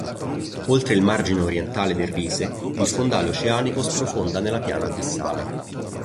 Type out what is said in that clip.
Oltre il margine orientale del Rise, il fondale oceanico sprofonda nella piana abissale.